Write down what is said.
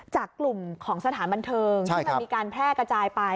จากกลุ่มของสถานบันเทิงที่มันมีการแพร่กระจายไป